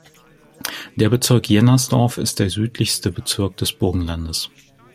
Der Bezirk Jennersdorf ist der südlichste Bezirk des Burgenlandes.